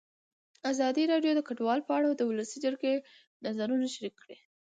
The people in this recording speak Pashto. ازادي راډیو د کډوال په اړه د ولسي جرګې نظرونه شریک کړي.